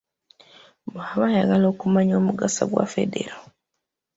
Bw'aba ayagala okumanya omugaso gwa Federo.